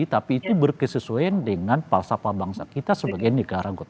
tapi itu berkesesuaian dengan falsafah bangsa kita sebagainya